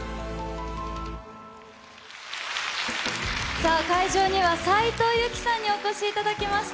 さあ、会場には斉藤由貴さんにお越しいただきました。